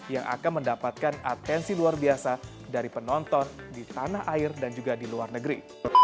yang akan mendapatkan atensi luar biasa dari penonton di tanah air dan juga di luar negeri